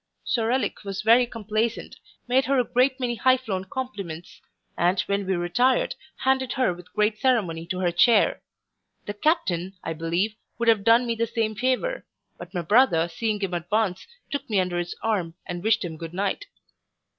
Sir Ulic was very complaisant, made her a great many high flown compliments; and, when we retired, handed her with great ceremony to her chair. The captain, I believe, would have done me the same favour; but my brother seeing him advance, took me under his arm, and wished him good night.